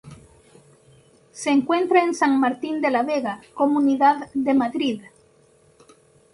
Se encuentra en San Martín de la Vega, Comunidad de Madrid.